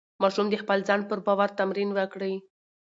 ماشوم د خپل ځان پر باور تمرین وکړي.